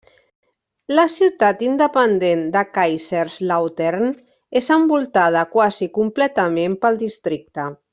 La ciutat independent de Kaiserslautern és envoltada quasi completament pel districte.